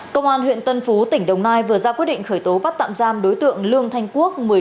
công an huyện tân phú tỉnh đồng nai vừa ra quyết định khởi tố bắt tạm giam đối tượng lương thanh quốc